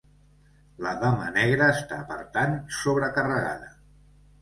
La dama negra està per tant, sobrecarregada.